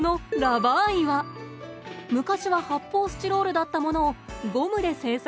昔は発泡スチロールだったものをゴムで制作。